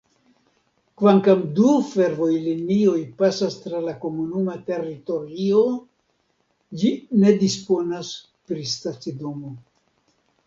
Kvankam du fervojlinioj pasas tra la komunuma teritorio, ĝi ne disponas pri stacidomo.